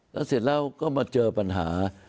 แล้วเสร็จแล้วก็มาเจอปัญหา